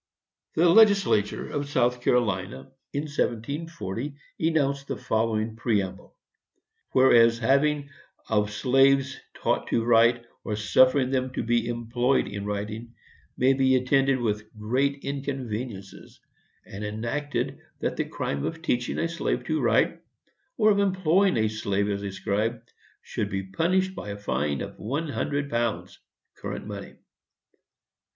[Sidenote: Stroud's Sketch, p. 88.] The legislature of South Carolina, in 1740, enounced the following preamble:—"Whereas, the having of slaves taught to write, or suffering them to be employed in writing, may be attended with great inconveniences;" and enacted that the crime of teaching a slave to write, or of employing a slave as a scribe, should be punished by a fine of one hundred pounds, current money.